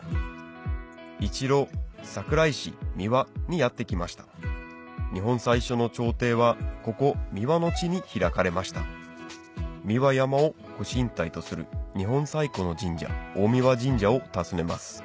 一路桜井市三輪にやって来ました日本最初の朝廷はここ三輪の地に開かれました三輪山をご神体とする日本最古の神社大神神社を訪ねます